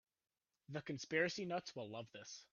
The conspiracy nuts will love this.